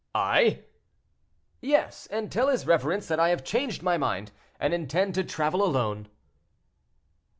"—"I?" "Yes; and tell his reverence that I have changed my mind, and intend to travel alone."